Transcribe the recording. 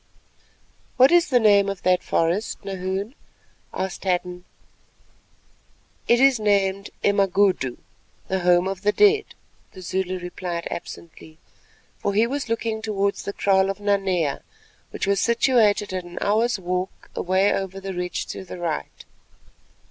"What is the name of that forest, Nahoon?" asked Hadden. "It is named Emagudu, The Home of the Dead," the Zulu replied absently, for he was looking towards the kraal of Nanea, which was situated at an hour's walk away over the ridge to the right.